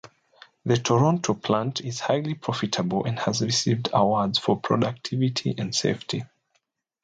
The Toronto plant is highly profitable and has received awards for productivity and safety.